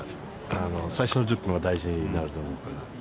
最初の１０分は大事になると思うから。